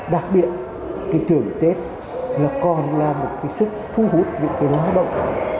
đặc biệt thì thưởng tết còn là một cái sức thu hút những người lao động